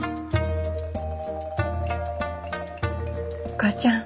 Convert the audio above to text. お母ちゃん。